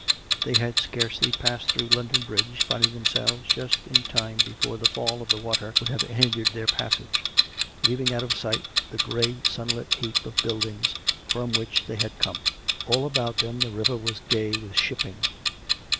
They had scarcely passed through London Bridge — finding themselves just in time before the fall of the water would have hindered their passage, leaving out of sight the grey sunlit heap of buildings from which they had come. All about them the river was gay with shipping.